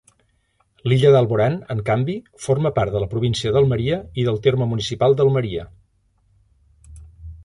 L'illa d'Alborán, en canvi, forma part de la província d'Almeria i del terme municipal d'Almeria.